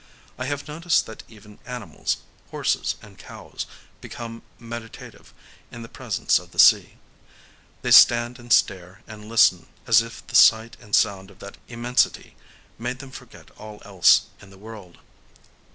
I have noticed that even animals,—horses and cows,—become meditative in the presence of the sea: they stand and stare and listen as if the sight and sound of that immensity made them forget all else in the world.